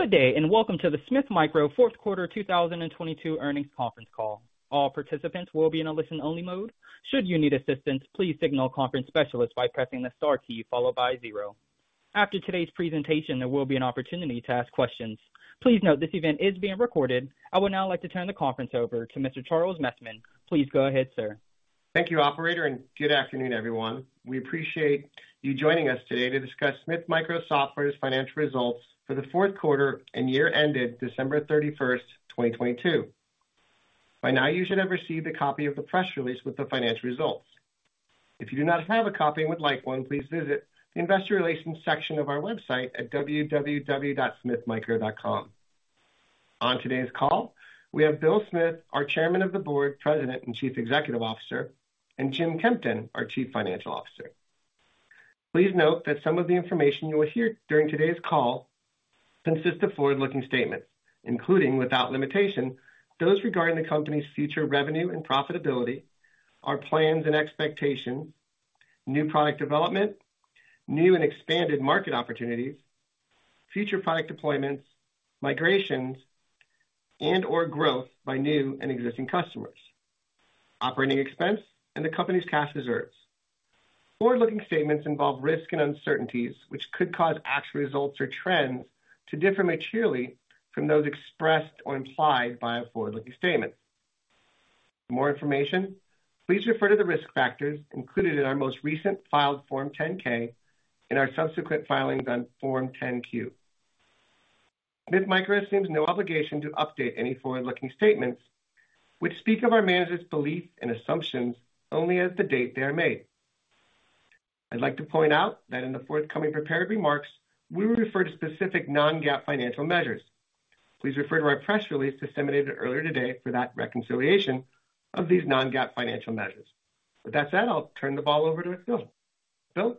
Good day, welcome to the Smith Micro Q4 2022 earnings conference call. All participants will be in a listen-only mode. Should you need assistance, please signal a conference specialist by pressing the star key followed by zero. After today's presentation, there will be an opportunity to ask questions. Please note this event is being recorded. I would now like to turn the conference over to Mr. Charles Messman. Please go ahead, sir. Thank you, operator. Good afternoon, everyone. We appreciate you joining us today to discuss Smith Micro Software's financial results for the Q4 and year-ended December 31, 2022. By now, you should have received a copy of the press release with the financial results. If you do not have a copy and would like one, please visit the investor relations section of our website at www.smithmicro.com. On today's call, we have Bill Smith, our Chairman of the Board, President, and Chief Executive Officer, and Jim Kempton, our Chief Financial Officer. Please note that some of the information you will hear during today's call consists of forward-looking statements, including, without limitation, those regarding the company's future revenue and profitability, our plans and expectations, new product development, new and expanded market opportunities, future product deployments, migrations, and/or growth by new and existing customers, operating expense, and the company's cash reserves. Forward-looking statements involve risks and uncertainties which could cause actual results or trends to differ materially from those expressed or implied by a forward-looking statement. For more information, please refer to the risk factors included in our most recent filed Form 10-K and our subsequent filings on Form 10-Q. Smith Micro assumes no obligation to update any forward-looking statements which speak of our management's beliefs and assumptions only as the date they are made. I'd like to point out that in the forthcoming prepared remarks, we will refer to specific non-GAAP financial measures. Please refer to our press release disseminated earlier today for that reconciliation of these non-GAAP financial measures. With that said, I'll turn the ball over to Bill. Bill?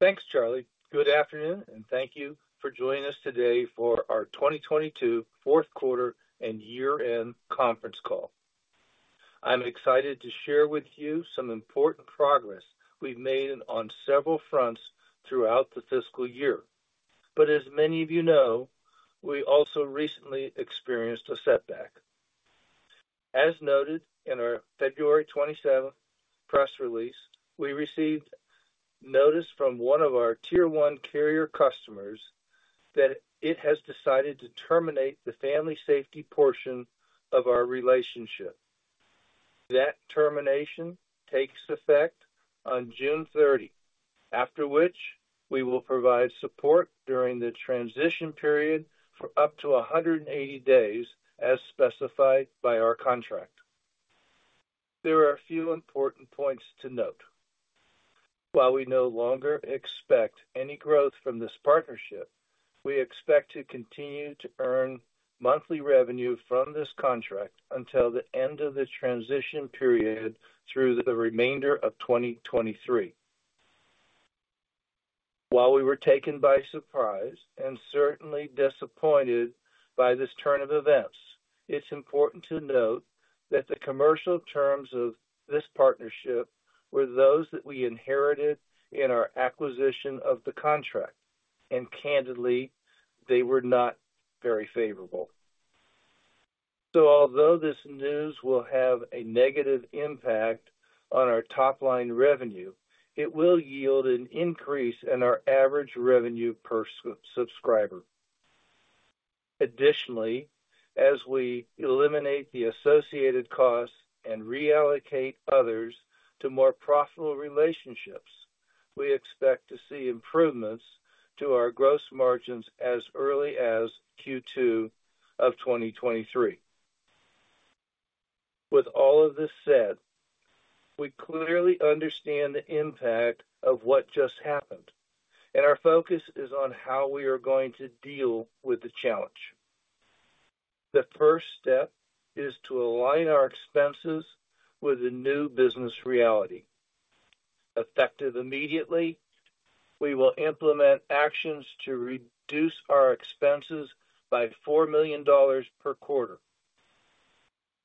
Thanks, Charlie. Good afternoon, and thank you for joining us today for our 2022 Q4 and year-end conference call. I'm excited to share with you some important progress we've made on several fronts throughout the fiscal year. As many of you know, we also recently experienced a setback. As noted in our February 27th press release, we received notice from one of our tier one carrier customers that it has decided to terminate the Family Safety portion of our relationship. That termination takes effect on June 30, after which we will provide support during the transition period for up to 180 days, as specified by our contract. There are a few important points to note. While we no longer expect any growth from this partnership, we expect to continue to earn monthly revenue from this contract until the end of the transition period through the remainder of 2023. While we were taken by surprise and certainly disappointed by this turn of events, it's important to note that the commercial terms of this partnership were those that we inherited in our acquisition of the contract, and candidly, they were not very favorable. Although this news will have a negative impact on our top-line revenue, it will yield an increase in our average revenue per subscriber. Additionally, as we eliminate the associated costs and reallocate others to more profitable relationships, we expect to see improvements to our gross margins as early as Q2 of 2023. With all of this said, we clearly understand the impact of what just happened. Our focus is on how we are going to deal with the challenge. The first step is to align our expenses with the new business reality. Effective immediately, we will implement actions to reduce our expenses by $4 million per quarter.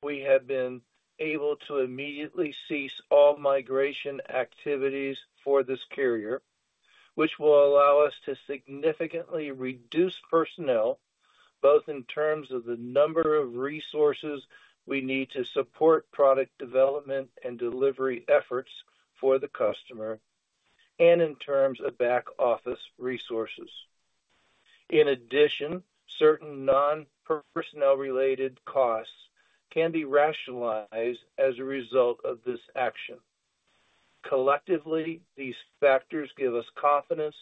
We have been able to immediately cease all migration activities for this carrier, which will allow us to significantly reduce personnel, both in terms of the number of resources we need to support product development and delivery efforts for the customer and in terms of back-office resources. In addition, certain non-personnel-related costs can be rationalized as a result of this action. Collectively, these factors give us confidence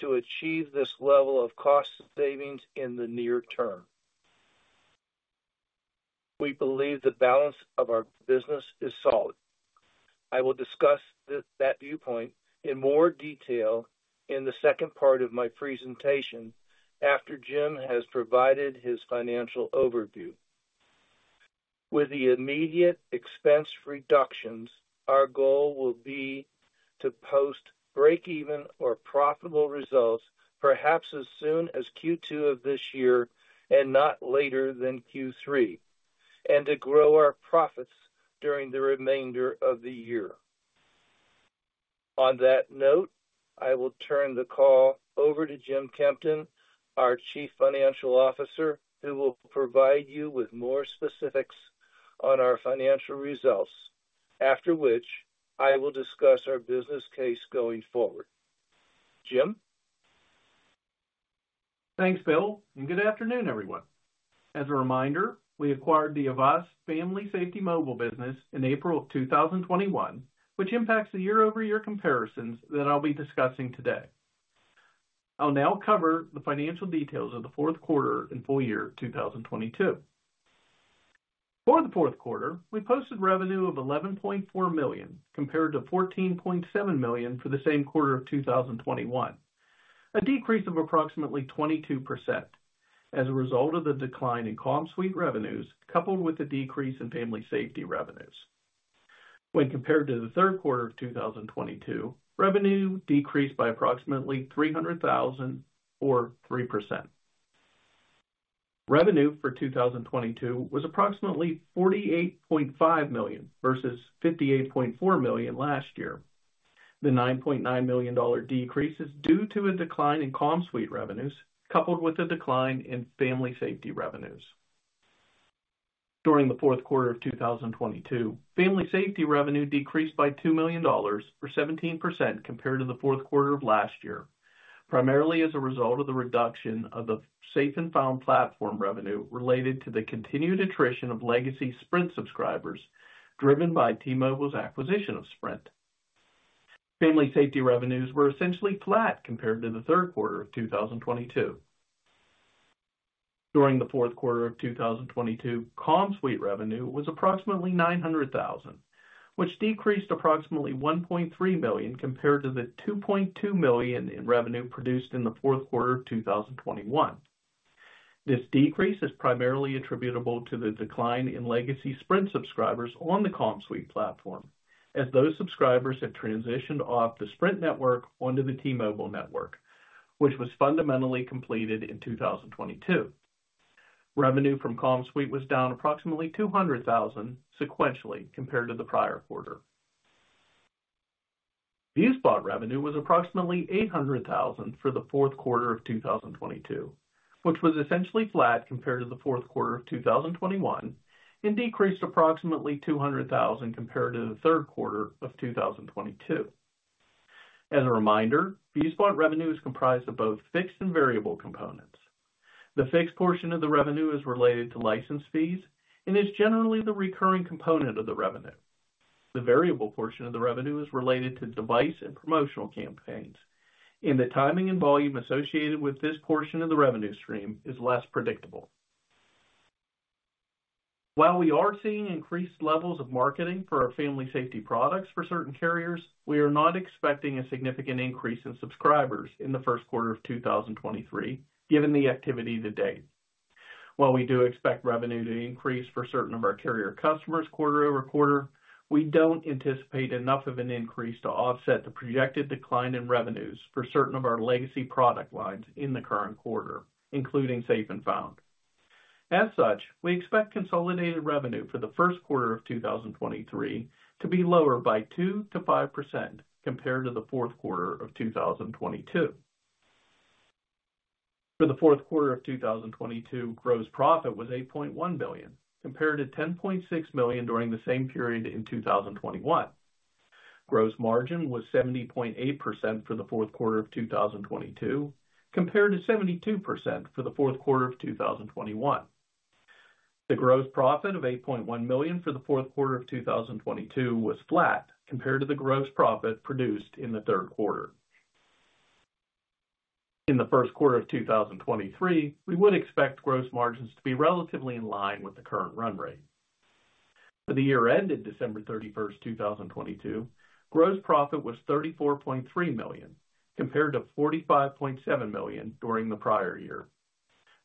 to achieve this level of cost savings in the near term. We believe the balance of our business is solid. I will discuss that viewpoint in more detail in the second part of my presentation after Jim has provided his financial overview. With the immediate expense reductions, our goal will be to post break-even or profitable results perhaps as soon as Q2 of this year and not later than Q3, and to grow our profits during the remainder of the year. On that note, I will turn the call over to Jim Kempton, our Chief Financial Officer, who will provide you with more specifics on our financial results. After which, I will discuss our business case going forward. Jim? Thanks, Bill. Good afternoon, everyone. As a reminder, we acquired the Avast Family Safety Mobile business in April of 2021, which impacts the year-over-year comparisons that I'll be discussing today. I'll now cover the financial details of the Q4 and full year 2022. For the Q4, we posted revenue of $11.4 million compared to $14.7 million for the same quarter of 2021. A decrease of approximately 22% as a result of the decline in CommSuite revenues, coupled with the decrease in Family Safety revenues. When compared to the Q3 of 2022, revenue decreased by approximately $300,000 or 3%. Revenue for 2022 was approximately $48.5 million versus $58.4 million last year. The $9.9 million decrease is due to a decline in CommSuite revenues, coupled with a decline in Family Safety revenues. During the Q4 of 2022, Family Safety revenue decreased by $2 million, or 17% compared to the Q4 of last year, primarily as a result of the reduction of the Safe & Found platform revenue related to the continued attrition of legacy Sprint subscribers driven by T-Mobile's acquisition of Sprint. Family Safety revenues were essentially flat compared to the Q3 of 2022. During the Q4 of 2022, CommSuite revenue was approximately $900,000, which decreased approximately $1.3 million compared to the $2.2 million in revenue produced in the Q4 of 2021. This decrease is primarily attributable to the decline in legacy Sprint subscribers on the CommSuite platform, as those subscribers have transitioned off the Sprint network onto the T-Mobile network, which was fundamentally completed in 2022. Revenue from CommSuite was down approximately $200,000 sequentially compared to the prior quarter. ViewSpot revenue was approximately $800,000 for the Q4 of 2022, which was essentially flat compared to the Q4 of 2021 and decreased approximately $200,000 compared to the Q3 of 2022. As a reminder, ViewSpot revenue is comprised of both fixed and variable components. The fixed portion of the revenue is related to license fees and is generally the recurring component of the revenue. The variable portion of the revenue is related to device and promotional campaigns, and the timing and volume associated with this portion of the revenue stream is less predictable. While we are seeing increased levels of marketing for our Family Safety products for certain carriers, we are not expecting a significant increase in subscribers in the Q1 of 2023, given the activity to date. While we do expect revenue to increase for certain of our carrier customers quarter-over-quarter, we don't anticipate enough of an increase to offset the projected decline in revenues for certain of our legacy product lines in the current quarter, including Safe & Found. As such, we expect consolidated revenue for the Q1 of 2023 to be lower by 2%-5% compared to the Q4 of 2022. For the Q4 of 2022, gross profit was $8.1 billion compared to $10.6 million during the same period in 2021. Gross margin was 70.8% for the Q4 of 2022, compared to 72% for the Q4 of 2021. The gross profit of $8.1 million for the Q4 of 2022 was flat compared to the gross profit produced in the Q3. In the Q1 of 2023, we would expect gross margins to be relatively in line with the current run rate. For the year ended December 31st, 2022, gross profit was $34.3 million, compared to $45.7 million during the prior year.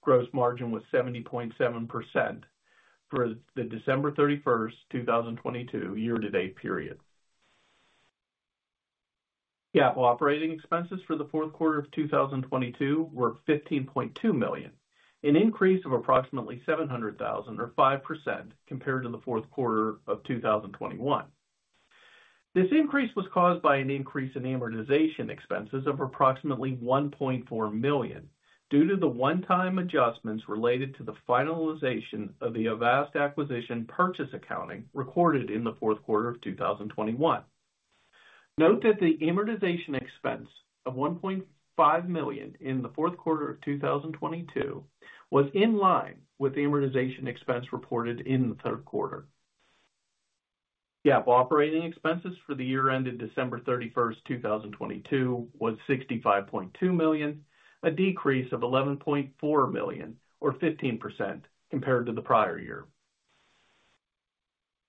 Gross margin was 70.7% for the December 31, 2022 year to date period. GAAP operating expenses for the Q4 of 2022 were $15.2 million, an increase of approximately $700,000 or 5% compared to the Q4 of 2021. This increase was caused by an increase in amortization expenses of approximately $1.4 million due to the one-time adjustments related to the finalization of the Avast acquisition purchase accounting recorded in the Q4 of 2021. Note that the amortization expense of $1.5 million in the Q4 of 2022 was in line with the amortization expense reported in the Q3. GAAP operating expenses for the year ended December 31, 2022 was $65.2 million, a decrease of $11.4 million or 15% compared to the prior year.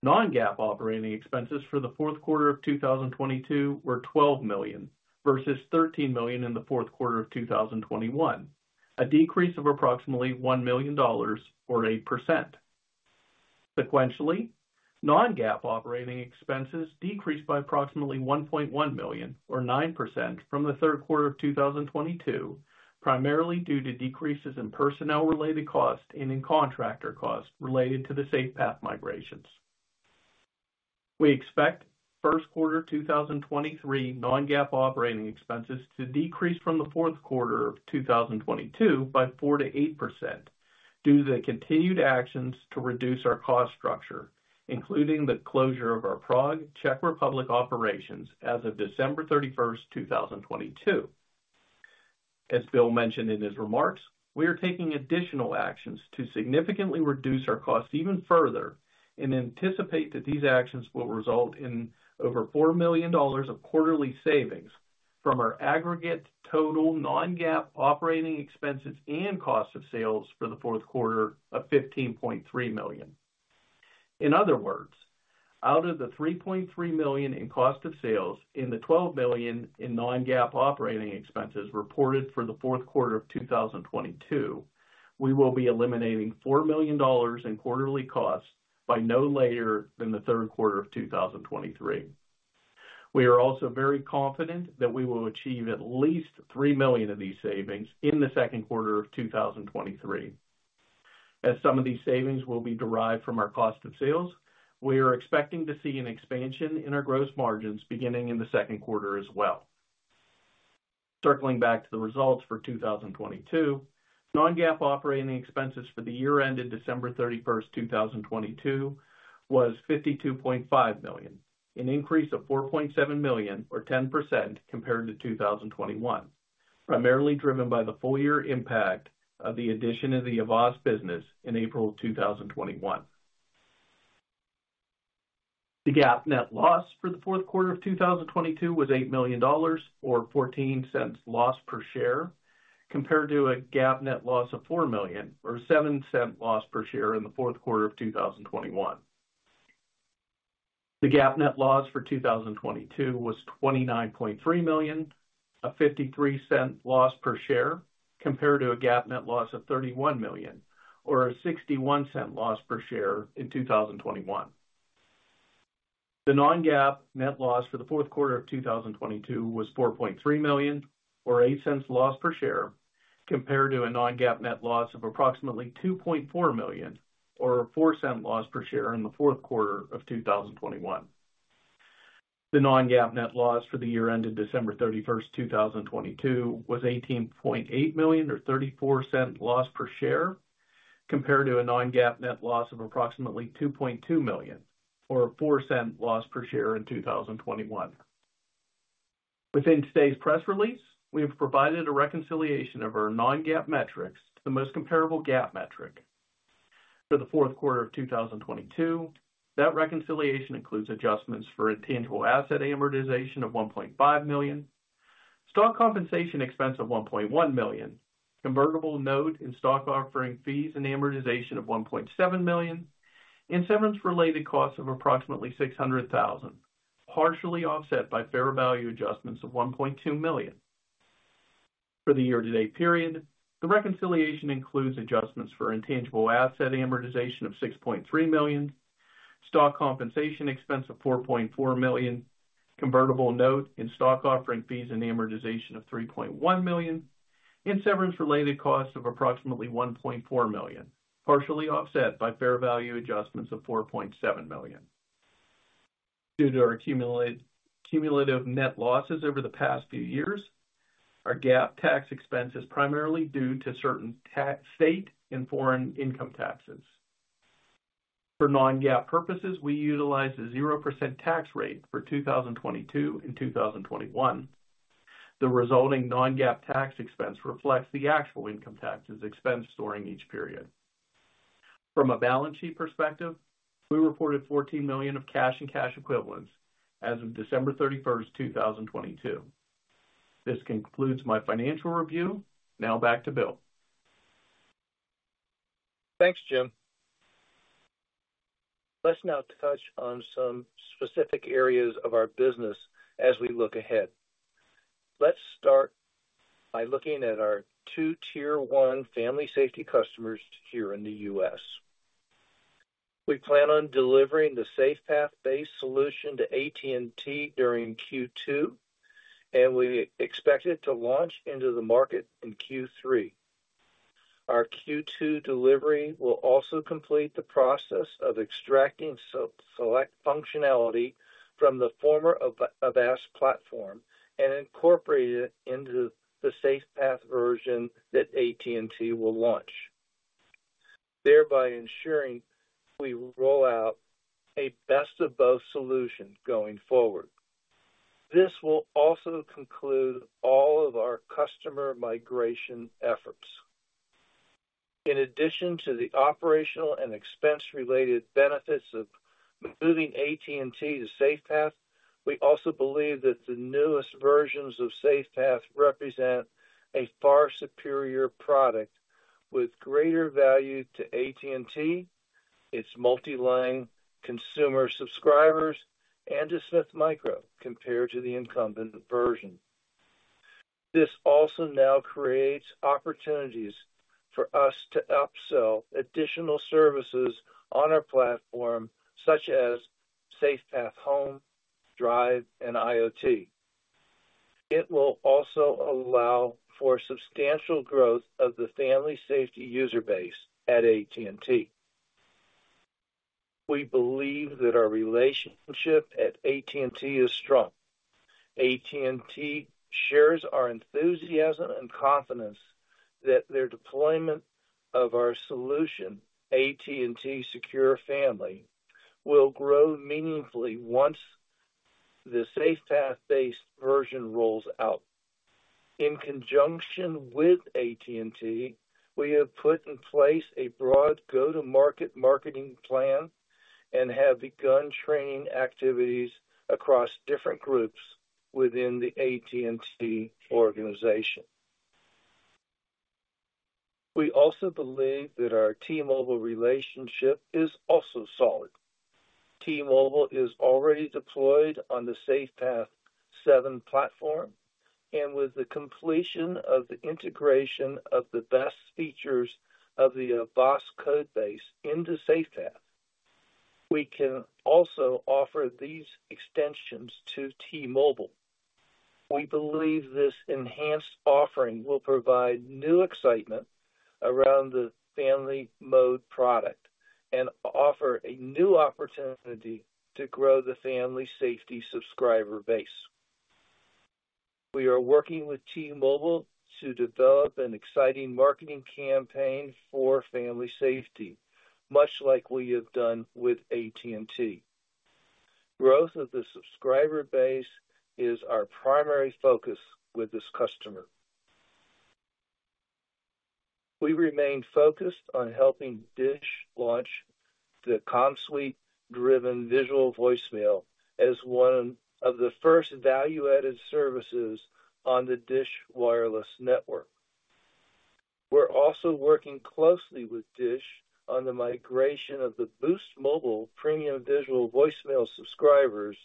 Non-GAAP operating expenses for the Q4 of 2022 were $12 million versus $13 million in the Q4 of 2021, a decrease of approximately $1 million or 8%. Sequentially, non-GAAP operating expenses decreased by approximately $1.1 million or 9% from the Q3 of 2022, primarily due to decreases in personnel-related costs and in contractor costs related to the SafePath migrations. We expect Q1 2023 non-GAAP operating expenses to decrease from the Q4 of 2022 by 4%-8% due to the continued actions to reduce our cost structure, including the closure of our Prague, Czech Republic operations as of December 31st, 2022. As Bill mentioned in his remarks, we are taking additional actions to significantly reduce our costs even further and anticipate that these actions will result in over $4 million of quarterly savings from our aggregate total non-GAAP operating expenses and cost of sales for the Q4 of $15.3 million. In other words, out of the $3.3 million in cost of sales and the $12 million in non-GAAP operating expenses reported for the Q4 of 2022, we will be eliminating $4 million in quarterly costs by no later than the Q3 of 2023. We are also very confident that we will achieve at least $3 million of these savings in the Q2 of 2023. As some of these savings will be derived from our cost of sales, we are expecting to see an expansion in our gross margins beginning in the Q2 as well. Circling back to the results for 2022, non-GAAP operating expenses for the year ended December 31st, 2022 was $52.5 million, an increase of $4.7 million or 10% compared to 2021, primarily driven by the full year impact of the addition of the Avast business in April 2021. The GAAP net loss for the Q4 of 2022 was $8 million or $0.14 loss per share, compared to a GAAP net loss of $4 million or $0.07 loss per share in the Q4 of 2021. The GAAP net loss for 2022 was $29.3 million, a $0.53 loss per share, compared to a GAAP net loss of $31 million or a $0.61 loss per share in 2021. The non-GAAP net loss for the Q4 of 2022 was $4.3 million or $0.08 loss per share, compared to a non-GAAP net loss of approximately $2.4 million or a $0.04 loss per share in the Q4 of 2021. The non-GAAP net loss for the year ended December 31st, 2022 was $18.8 million or $0.34 loss per share, compared to a non-GAAP net loss of approximately $2.2 million or a $0.04 loss per share in 2021. Within today's press release, we have provided a reconciliation of our non-GAAP metrics to the most comparable GAAP metric. For the Q4 of 2022, that reconciliation includes adjustments for intangible asset amortization of $1.5 million, stock compensation expense of $1.1 million, convertible note in stock offering fees and amortization of $1.7 million, and severance-related costs of approximately $600,000, partially offset by fair value adjustments of $1.2 million. For the year-to-date period, the reconciliation includes adjustments for intangible asset amortization of $6.3 million, stock compensation expense of $4.4 million, convertible note in stock offering fees and amortization of $3.1 million, and severance-related costs of approximately $1.4 million, partially offset by fair value adjustments of $4.7 million. Due to our cumulative net losses over the past few years, our GAAP tax expense is primarily due to certain state and foreign income taxes. For non-GAAP purposes, we utilize a 0% tax rate for 2022 and 2021. The resulting non-GAAP tax expense reflects the actual income taxes expense during each period. From a balance sheet perspective, we reported $14 million of cash and cash equivalents as of December 31st, 2022. This concludes my financial review. Now back to Bill. Thanks, Jim. Let's now touch on some specific areas of our business as we look ahead. Let's start by looking at our two tier one Family Safety customers here in the U.S. We plan on delivering the SafePath-based solution to AT&T during Q2, and we expect it to launch into the market in Q3. Our Q2 delivery will also complete the process of extracting select functionality from the former Avast platform and incorporate it into the SafePath version that AT&T will launch, thereby ensuring we roll out a best of both solution going forward. This will also conclude all of our customer migration efforts. In addition to the operational and expense-related benefits of moving AT&T to SafePath, we also believe that the newest versions of SafePath represent a far superior product with greater value to AT&T, its multi-line consumer subscribers, and to Smith Micro compared to the incumbent version. This also now creates opportunities for us to upsell additional services on our platform, such as SafePath Home, Drive, and IoT. It will also allow for substantial growth of the Family Safety user base at AT&T. We believe that our relationship at AT&T is strong. AT&T shares our enthusiasm and confidence that their deployment of our solution, AT&T Secure Family, will grow meaningfully once the SafePath-based version rolls out. In conjunction with AT&T, we have put in place a broad go-to-market marketing plan and have begun training activities across different groups within the AT&T organization. We also believe that our T-Mobile relationship is also solid. T-Mobile is already deployed on the SafePath seven platform, and with the completion of the integration of the best features of the BOSS code base into SafePath, we can also offer these extensions to T-Mobile. We believe this enhanced offering will provide new excitement around the FamilyMode product and offer a new opportunity to grow the Family Safety subscriber base. We are working with T-Mobile to develop an exciting marketing campaign for Family Safety, much like we have done with AT&T. Growth of the subscriber base is our primary focus with this customer. We remain focused on helping DISH launch the CommSuite-driven visual voicemail as one of the first value-added services on the DISH Wireless network. We're also working closely with DISH on the migration of the Boost Mobile premium visual voicemail subscribers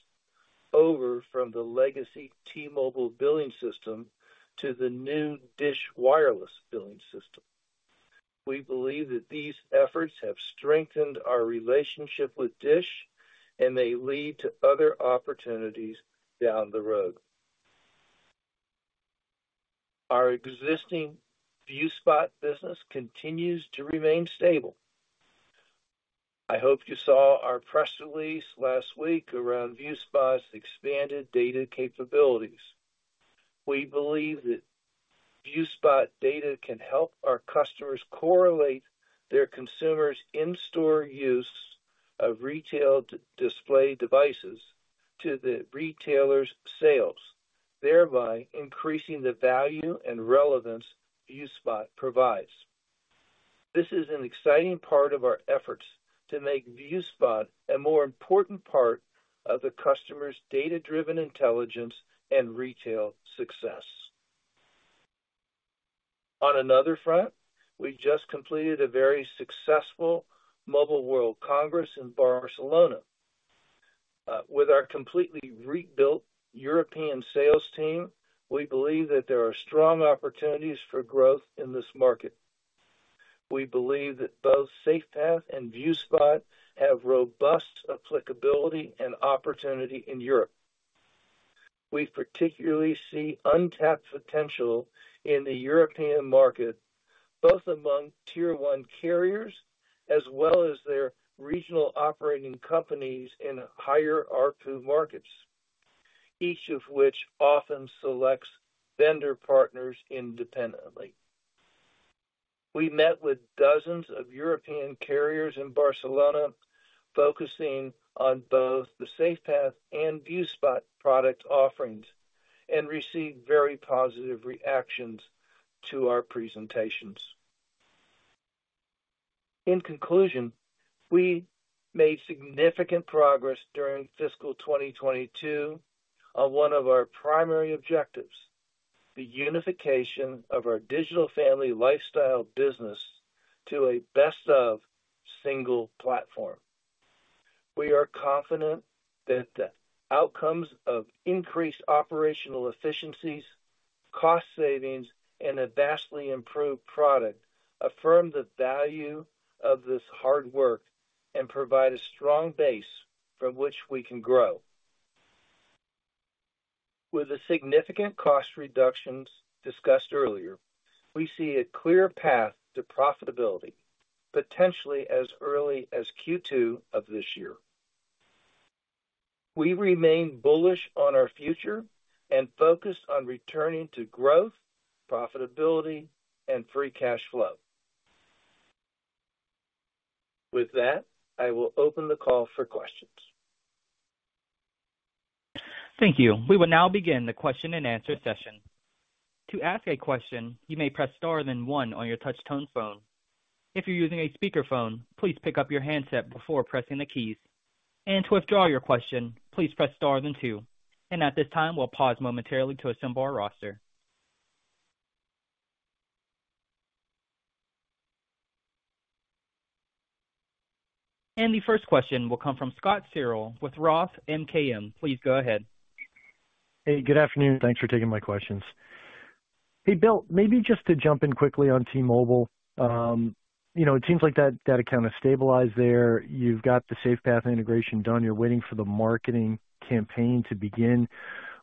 over from the legacy T-Mobile billing system to the new DISH Wireless billing system. We believe that these efforts have strengthened our relationship with DISH, and may lead to other opportunities down the road. Our existing ViewSpot business continues to remain stable. I hope you saw our press release last week around ViewSpot's expanded data capabilities. We believe that ViewSpot data can help our customers correlate their consumers' in-store use of retail display devices to the retailers' sales, thereby increasing the value and relevance ViewSpot provides. This is an exciting part of our efforts to make ViewSpot a more important part of the customer's data-driven intelligence and retail success. On another front, we just completed a very successful Mobile World Congress in Barcelona. With our completely rebuilt European sales team, we believe that there are strong opportunities for growth in this market. We believe that both SafePath and ViewSpot have robust applicability and opportunity in Europe. We particularly see untapped potential in the European market, both among tier one carriers as well as their regional operating companies in higher ARPU markets, each of which often selects vendor partners independently. We met with dozens of European carriers in Barcelona, focusing on both the SafePath and ViewSpot product offerings, received very positive reactions to our presentations. In conclusion, we made significant progress during fiscal 2022 on one of our primary objectives, the unification of our Digital Family Lifestyle business to a best-of single platform. We are confident that the outcomes of increased operational efficiencies, cost savings, and a vastly improved product affirm the value of this hard work and provide a strong base from which we can grow. With the significant cost reductions discussed earlier, we see a clear path to profitability, potentially as early as Q2 of this year. We remain bullish on our future and focused on returning to growth, profitability, and free cash flow. With that, I will open the call for questions. Thank you. We will now begin the question-and-answer session. To ask a question, you may press star then one on your touch tone phone. If you're using a speakerphone, please pick up your handset before pressing the keys. To withdraw your question, please press star then two. At this time, we'll pause momentarily to assemble our roster. The first question will come from Scott Searle with ROTH MKM. Please go ahead. Hey, good afternoon. Thanks for taking my questions. Hey, Bill, maybe just to jump in quickly on T-Mobile. You know, it seems like that account is stabilized there. You've got the SafePath integration done. You're waiting for the marketing campaign to begin.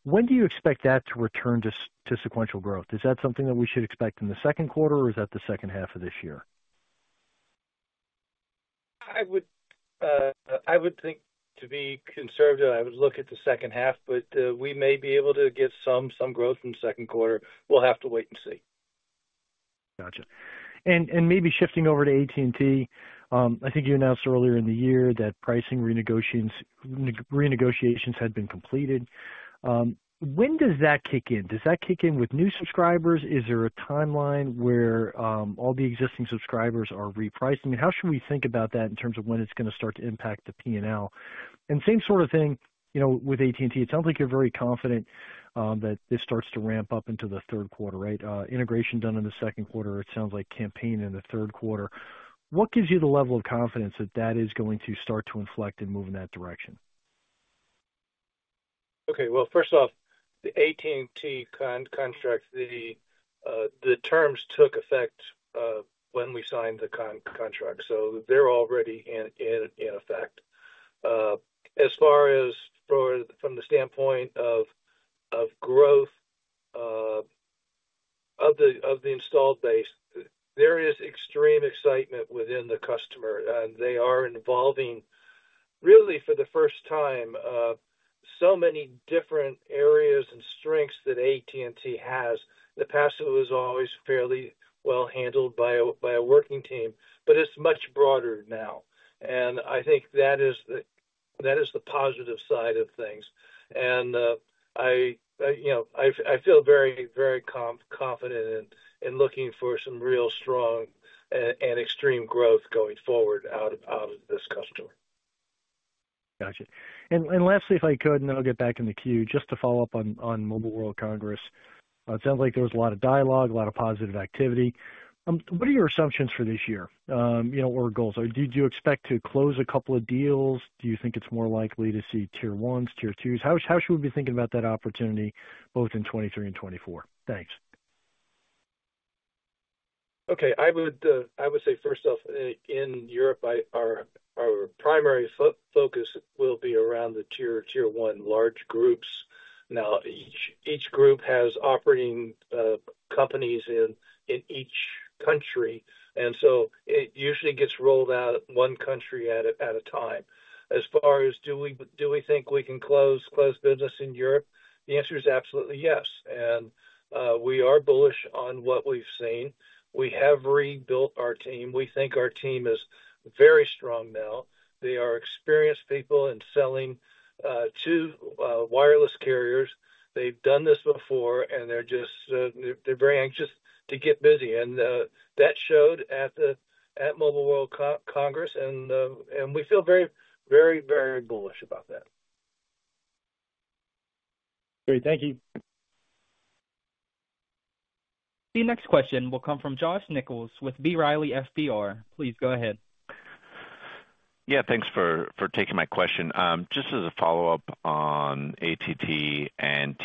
When do you expect that to return to sequential growth? Is that something that we should expect in the Q2, or is that the H2 of this year? I would think to be conservative, I would look at the H2. We may be able to get some growth in the Q2. We'll have to wait and see. Gotcha. Maybe shifting over to AT&T. I think you announced earlier in the year that pricing renegotiations had been completed. When does that kick in? Does that kick in with new subscribers? Is there a timeline where all the existing subscribers are repriced? I mean, how should we think about that in terms of when it's gonna start to impact the P&L? Same sort of thing, you know, with AT&T. It sounds like you're very confident that this starts to ramp up into the Q3, right? Integration done in the Q2, it sounds like campaign in the Q3. What gives you the level of confidence that that is going to start to inflect and move in that direction? Okay. Well, first off, the AT&T contract, the terms took effect when we signed the contract, they're already in effect. As far as from the standpoint of growth of the installed base, there is extreme excitement within the customer. They are involving, really for the first time, so many different areas and strengths that AT&T has. In the past, it was always fairly well handled by a working team, but it's much broader now. I think that is the positive side of things. I, you know, I feel very confident in looking for some real strong and extreme growth going forward out of this customer. Gotcha. Lastly, if I could, and then I'll get back in the queue. Just to follow up on Mobile World Congress. It sounds like there was a lot of dialogue, a lot of positive activity. What are your assumptions for this year? You know, or goals? Did you expect to close a couple of deals? Do you think it's more likely to see tier ones, tier twos? How should we be thinking about that opportunity both in 2023 and 2024? Thanks. Okay. I would say first off, in Europe, our primary focus will be around the tier one large groups. Now each group has operating companies in each country, and so it usually gets rolled out one country at a time. As far as do we think we can close business in Europe? The answer is absolutely yes. We are bullish on what we've seen. We have rebuilt our team. We think our team is very strong now. They are experienced people in selling to wireless carriers. They've done this before, and they're just very anxious to get busy. That showed at Mobile World Congress and we feel very bullish about that. Great. Thank you. The next question will come from Josh Nichols with B. Riley Securities. Please go ahead. Yeah, thanks for taking my question. Just as a follow-up on AT&T and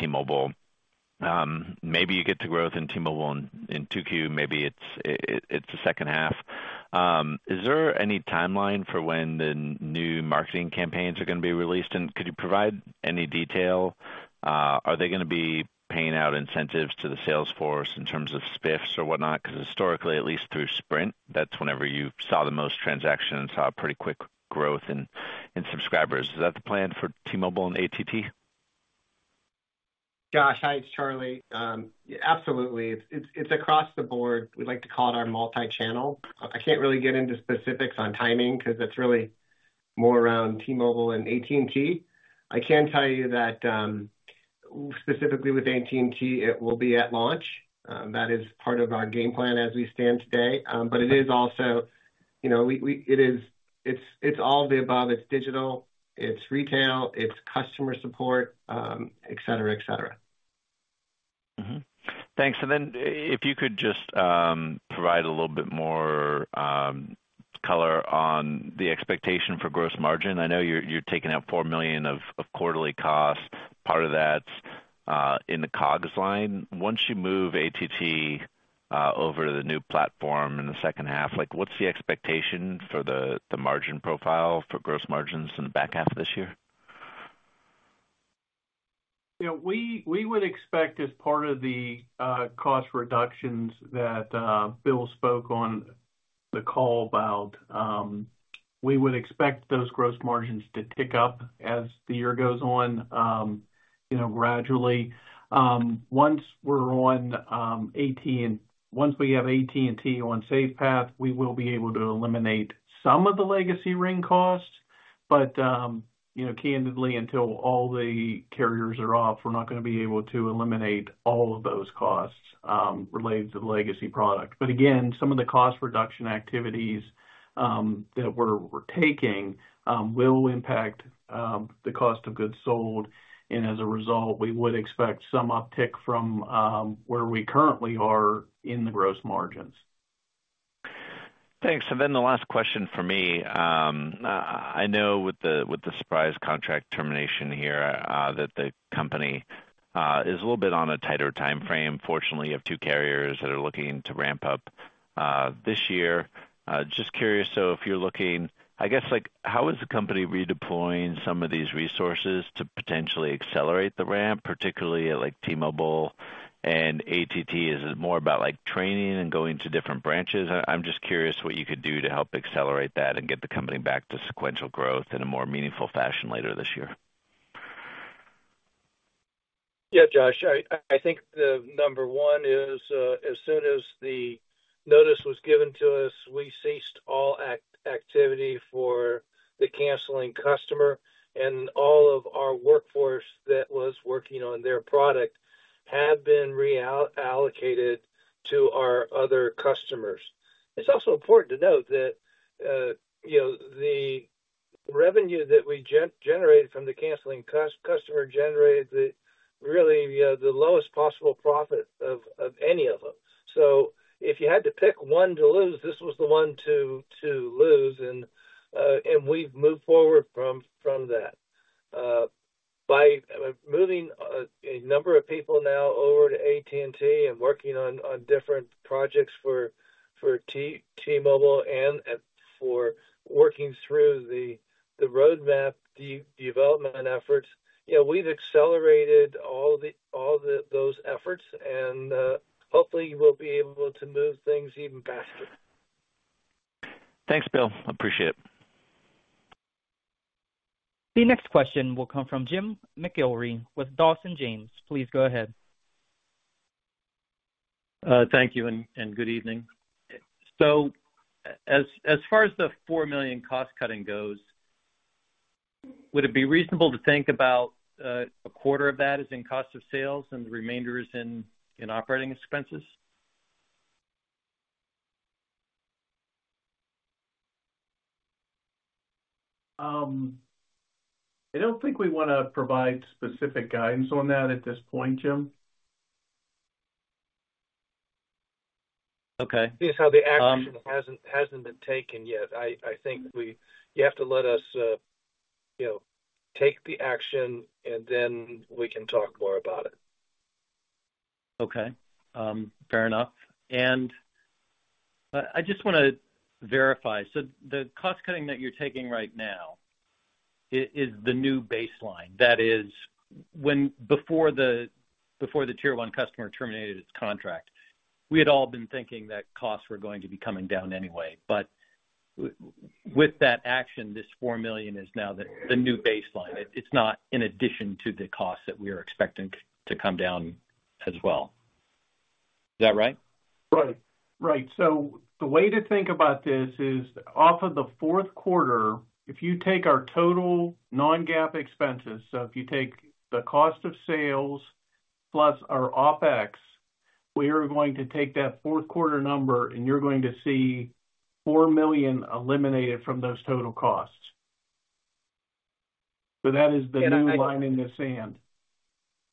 T-Mobile. Maybe you get the growth in T-Mobile in 2Q, maybe it's the H2. Is there any timeline for when the new marketing campaigns are gonna be released? Could you provide any detail? Are they gonna be paying out incentives to the sales force in terms of SPIFFs or whatnot? Because historically, at least through Sprint, that's whenever you saw the most transaction and saw pretty quick growth in subscribers. Is that the plan for T-Mobile and AT&T? Josh, hi, it's Charlie. Absolutely. It's, it's across the board. We like to call it our multi-channel. I can't really get into specifics on timing because it's really more around T-Mobile and AT&T. I can tell you that, specifically with AT&T, it will be at launch. That is part of our game plan as we stand today. It is also, you know, we, it's all the above. It's digital, it's retail, it's customer support, et cetera, et cetera. Thanks. If you could just provide a little bit more color on the expectation for gross margin. I know you're taking out $4 million of quarterly costs. Part of that's in the COGS line. Once you move AT&T over to the new platform in the H2, like, what's the expectation for the margin profile for gross margins in the back half of this year? Yeah, we would expect as part of the cost reductions that Bill spoke on the call about, we would expect those gross margins to tick up as the year goes on, you know, gradually. Once we're on, once we have AT&T on SafePath, we will be able to eliminate some of the legacy Ring costs. You know, candidly, until all the carriers are off, we're not gonna be able to eliminate all of those costs related to the legacy product. Again, some of the cost reduction activities that we're taking will impact the cost of goods sold. As a result, we would expect some uptick from where we currently are in the gross margins. Thanks. The last question for me, I know with the, with the surprise contract termination here, that the company is a little bit on a tighter timeframe. Fortunately, you have two carriers that are looking to ramp up this year. Just curious though, I guess, like how is the company redeploying some of these resources to potentially accelerate the ramp, particularly at like T-Mobile and AT&T? Is it more about like training and going to different branches? I'm just curious what you could do to help accelerate that and get the company back to sequential growth in a more meaningful fashion later this year. Yeah, Josh, I think the number one is, as soon as the notice was given to us, we ceased all activity for the canceling customer and all of our workforce that was working on their product have been reallocated to our other customers. It's also important to note that, you know, the revenue that we generated from the canceling customer generated the really, you know, the lowest possible profit of any of them. If you had to pick one to lose, this was the one to lose. We've moved forward from that. By moving a number of people now over to AT&T and working on different projects for T-Mobile and for working through the roadmap development efforts. You know, we've accelerated all those efforts, and hopefully we'll be able to move things even faster. Thanks, Bill. Appreciate it. The next question will come from Jim McIlree with Dawson James Securities. Please go ahead. Thank you and good evening. As far as the $4 million cost-cutting goes, would it be reasonable to think about a quarter of that is in cost of sales and the remainder is in operating expenses? I don't think we wanna provide specific guidance on that at this point, Jim. Okay. See how the action hasn't been taken yet. I think you have to let us, you know, take the action and then we can talk more about it. Okay. Fair enough. I just wanna verify. The cost-cutting that you're taking right now is the new baseline. That is before the tier one customer terminated its contract, we had all been thinking that costs were going to be coming down anyway. With that action, this $4 million is now the new baseline. It's not in addition to the cost that we are expecting to come down as well. Is that right? Right. Right. The way to think about this is off of the Q4, if you take our total non-GAAP expenses, if you take the cost of sales plus our OpEx, we are going to take that Q4 number and you're going to see $4 million eliminated from those total costs. That is the new line in the sand.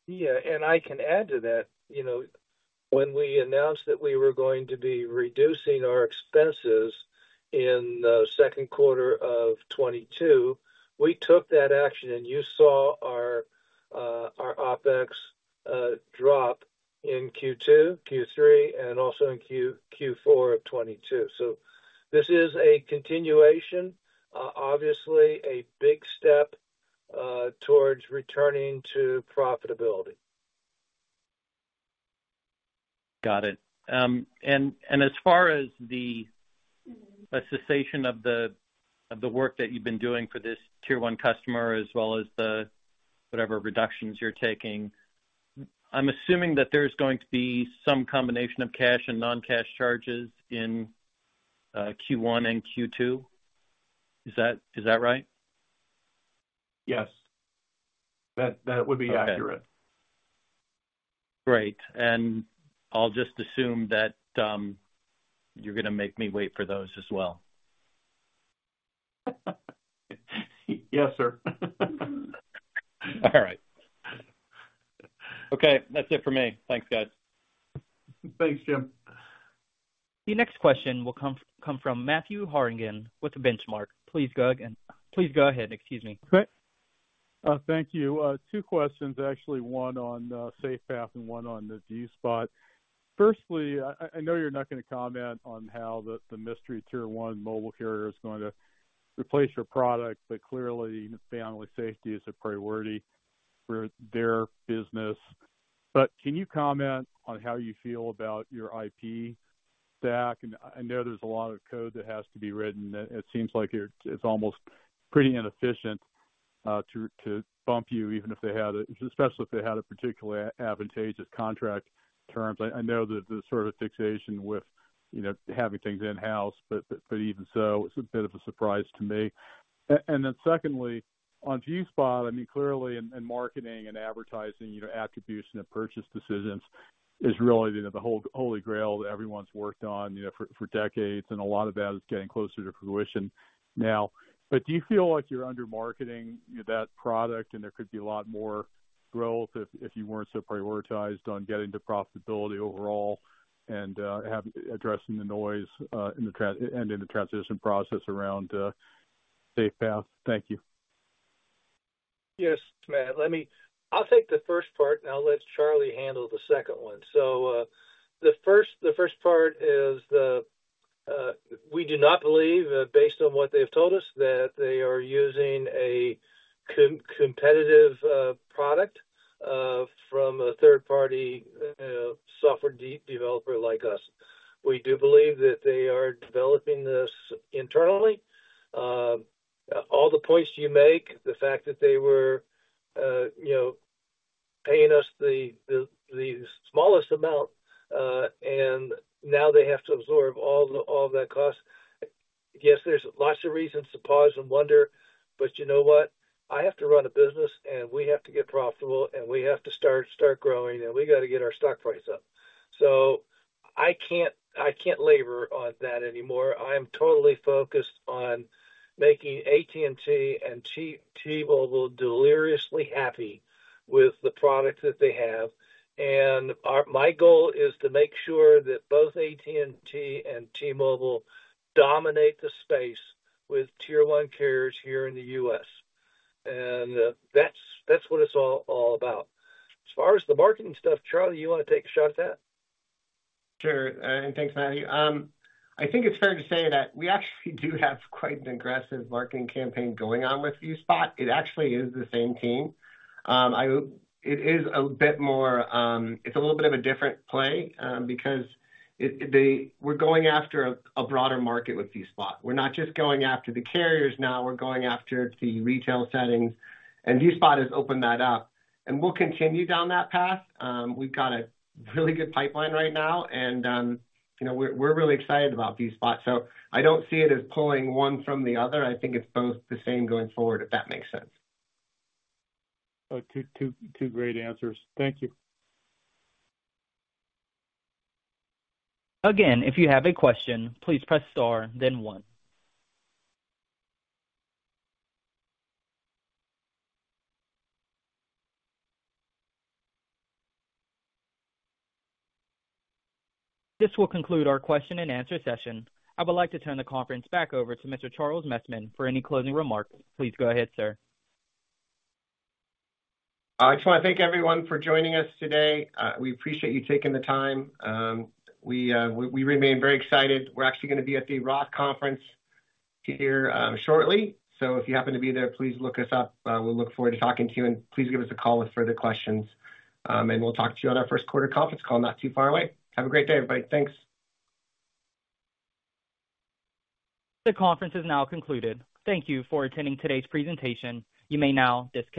Yeah. I can add to that. You know, when we announced that we were going to be reducing our expenses in Q2 of 2022, we took that action and you saw our OpEx drop in Q2, Q3, and also in Q4 of 2022. This is a continuation, obviously a big step towards returning to profitability. Got it. As far as the cessation of the work that you've been doing for this tier 1 customer as well as whatever reductions you're taking, I'm assuming that there's going to be some combination of cash and non-cash charges in Q1 and Q2. Is that right? Yes. That would be accurate. Great. I'll just assume that you're gonna make me wait for those as well. Yes, sir. All right. Okay, that's it for me. Thanks, guys. Thanks, Jim. The next question will come from Matthew Harrigan with Benchmark. Please go again. Please go ahead. Excuse me. Okay. Thank you. Two questions, actually, one on SafePath and one on the ViewSpot. Firstly, I know you're not gonna comment on how the mystery tier one mobile carrier is going to replace your product, but clearly Family Safety is a priority for their business. Can you comment on how you feel about your IP stack? I know there's a lot of code that has to be written. It seems like it's almost pretty inefficient to bump you even if they had a particularly advantageous contract terms. I know that there's sort of a fixation with, you know, having things in-house, but even so, it's a bit of a surprise to me. secondly, on ViewSpot, I mean, clearly in marketing and advertising, you know, attribution and purchase decisions is really the whole holy grail that everyone's worked on, you know, for decades, and a lot of that is getting closer to fruition now. Do you feel like you're under-marketing that product and there could be a lot more growth if you weren't so prioritized on getting to profitability overall and addressing the noise in the transition process around SafePath? Thank you. Yes, Matt, I'll take the first part, and I'll let Charlie handle the second one. The first part is we do not believe, based on what they've told us, that they are using a competitive product from a third-party software developer like us. We do believe that they are developing this internally. All the points you make, the fact that they were, you know, paying us the smallest amount, and now they have to absorb all that cost. Yes, there's lots of reasons to pause and wonder, but you know what? I have to run a business, and we have to get profitable, and we have to start growing, and we gotta get our stock price up. I can't labor on that anymore. I am totally focused on making AT&T and T-Mobile deliriously happy with the products that they have. My goal is to make sure that both AT&T and T-Mobile dominate the space with tier one carriers here in the U.S. That's what it's all about. As far as the marketing stuff, Charlie, you wanna take a shot at that? Sure, and thanks, Matthew. I think it's fair to say that we actually do have quite an aggressive marketing campaign going on with ViewSpot. It actually is the same team. It is a bit more, it's a little bit of a different play, because we're going after a broader market with ViewSpot. We're not just going after the carriers now. We're going after the retail settings, and ViewSpot has opened that up. We'll continue down that path. We've got a really good pipeline right now, and, you know, we're really excited about ViewSpot, so I don't see it as pulling one from the other. I think it's both the same going forward, if that makes sense. Oh, two great answers. Thank you. Again, if you have a question, please press star then one. This will conclude our question-and-answer session. I would like to turn the conference back over to Mr. Charles Messman for any closing remarks. Please go ahead, sir. I just wanna thank everyone for joining us today. We appreciate you taking the time. We remain very excited. We're actually gonna be at the ROTH Conference here, shortly. If you happen to be there, please look us up. We'll look forward to talking to you. Please give us a call with further questions, and we'll talk to you on our Q1 conference call not too far away. Have a great day, everybody. Thanks. The conference is now concluded. Thank you for attending today's presentation. You may now disconnect.